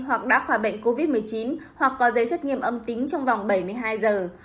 hoặc đã khỏi bệnh covid một mươi chín hoặc có giấy xét nghiệm âm tính trong vòng bảy mươi hai giờ